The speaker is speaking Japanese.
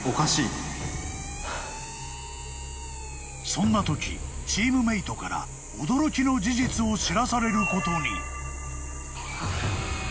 ［そんなときチームメートから驚きの事実を知らされることに］